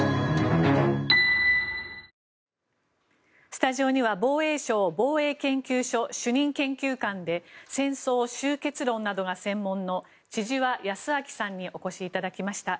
スタジオには防衛省防衛研究所主任研究官で戦争終結論などが専門の千々和泰明さんにお越しいただきました。